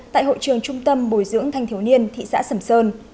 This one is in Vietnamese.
tại hội trường trung tâm bồi dưỡng thanh thiếu niên thị xã sầm sơn